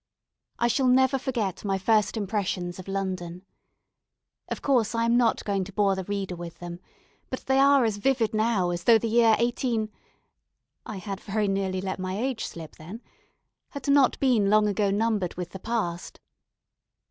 I shall never forget my first impressions of London. Of course, I am not going to bore the reader with them; but they are as vivid now as though the year 18 (I had very nearly let my age slip then) had not been long ago numbered with the past.